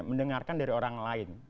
mendengarkan dari orang lain